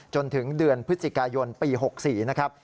จนถึงเดือนพฤศจิกายนปี๖๔นะครับ